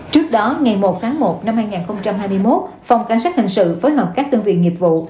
trước đó ngày một tháng một năm hai nghìn hai mươi một phòng cảnh sát hình sự phối hợp các đơn vị nghiệp vụ